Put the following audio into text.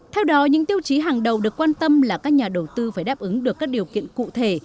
theo đó những tiêu chí hàng đầu được quan tâm là các nhà đầu tư phải đáp ứng được các điều kiện cụ thể